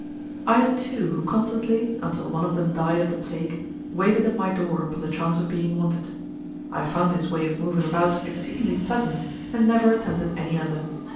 I had two who constantly (until one of them died of the plague) waited at my door upon the chance of being wanted. I found this way of moving about exceedingly pleasant, and never attempted any other.